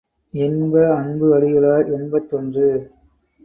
இன்ப அன்பு அடிகளார் எண்பத்தொன்று.